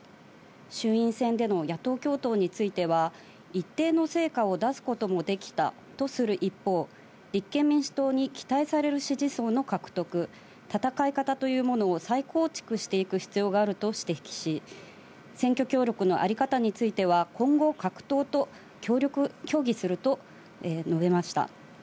衆院選での野党共闘については一定の成果を出すこともできたとする一方、立憲民主党に期待される支持層の獲得、戦い方というものを再構築していく必要があると指摘し、選挙協力のあり方については今後、各党と協議すると述べました。